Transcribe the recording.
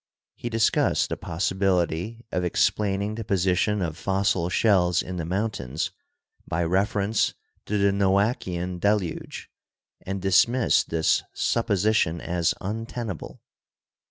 He discussed the possibility of explaining the position of fossil shells in the mountains by reference to the Noachian Deluge and dismissed this supposition as untenable.